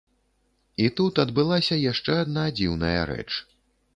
І тут адбылася яшчэ адна дзіўная рэч.